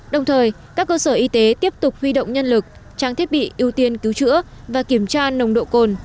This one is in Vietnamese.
đồng thời các cơ sở y tế tiếp tục huy động nhân lực trang thiết bị ưu tiên cứu chữa và kiểm tra nồng độ cồn